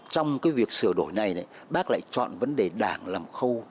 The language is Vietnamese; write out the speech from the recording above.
trong cái việc sửa đổi này bác lại chọn vấn đề đảng làm khâu